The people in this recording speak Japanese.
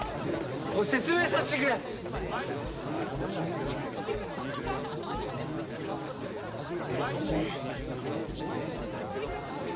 おい説明させてくれ。説明？